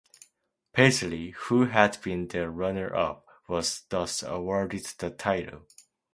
Paisley, who had been the runner-up, was thus awarded the title.